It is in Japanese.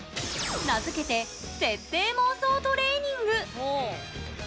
名付けて設定妄想トレーニング。